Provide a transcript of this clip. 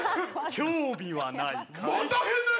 興味はないかい？